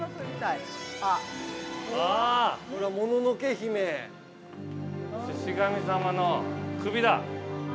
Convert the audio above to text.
◆これは「もののけ姫」◆シシ神様の首だ。